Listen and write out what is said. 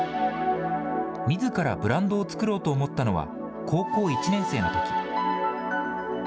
みずからブランドを作ろうと思ったのは、高校１年生のとき。